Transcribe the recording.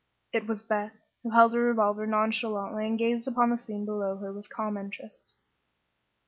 It was Beth, who held her revolver nonchalantly and gazed upon the scene below her with calm interest.